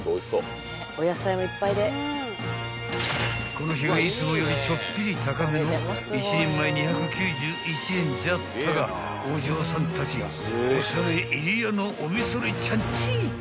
［この日はいつもよりちょっぴり高めの１人前２９１円じゃったがお嬢さんたち恐れ入谷のお見それちゃんち］